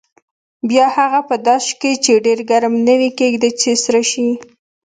بیا هغه په داش کې چې ډېر ګرم نه وي ږدي چې سره شي.